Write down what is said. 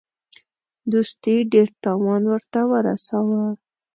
دوستي ډېر تاوان ورته ورساوه.